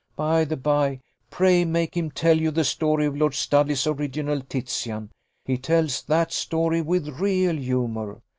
By the by, pray make him tell you the story of Lord Studley's original Titian: he tells that story with real humour.